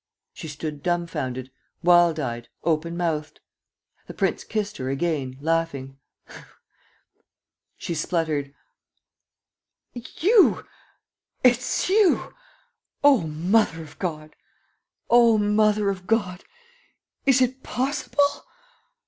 She stood dumfounded, wild eyed, open mouthed. The prince kissed her again, laughing. She spluttered: "You! It's you! O mother of God! ... O mother of God! ... Is it possible!